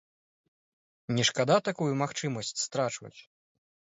Не шкада такую магчымасць страчваць?